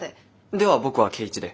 では僕は圭一で。